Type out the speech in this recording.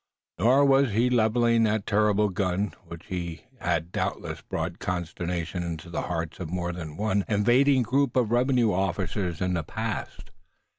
Nor was he leveling that terrible gun, which had doubtless brought consternation into the hearts of more than one invading group of revenue officers in times past.